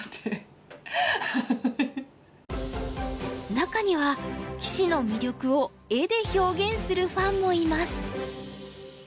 中には棋士の魅力を絵で表現するファンもいます。